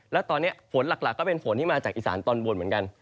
แล้วตอนนี้ฝนหลักก็เป็นฝนที่มาจากอีสานตอนบนเหมือนกัน